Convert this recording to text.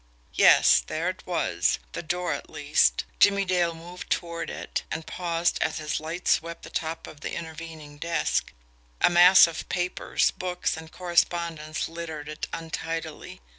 Yes, there it was the door, at least. Jimmie Dale moved toward it and paused as his light swept the top of the intervening desk. A mass of papers, books, and correspondence littered it untidily.